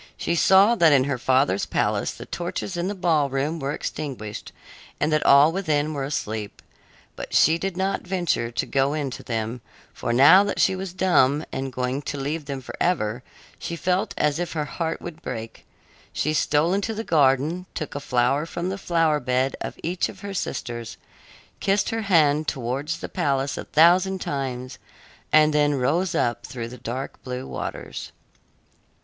She saw that in her father's palace the torches in the ballroom were extinguished and that all within were asleep. But she did not venture to go in to them, for now that she was dumb and going to leave them forever she felt as if her heart would break. She stole into the garden, took a flower from the flower bed of each of her sisters, kissed her hand towards the palace a thousand times, and then rose up through the dark blue waters.